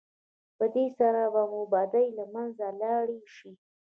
په دې سره به مو بدۍ له منځه لاړې شي.